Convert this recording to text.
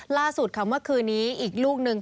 ล่าสุดคำว่าคืนนี้อีกลูกนึง